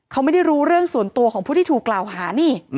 เขาไม่ได้รู้เรื่องส่วนตัวของผู้ที่ถูกกล่าวหานี่